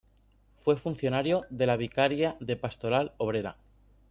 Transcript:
Fue funcionario de la Vicaria de Pastoral Obrera.